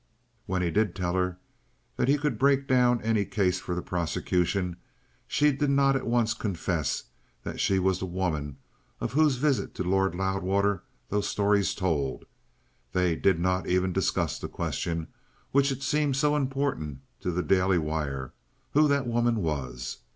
When he did tell her that he could break down any case for the prosecution, she did not at once confess that she was the woman of whose visit to Lord Loudwater those stories told; they did not even discuss the question, which had seemed so important to the Daily Wire, who that woman was.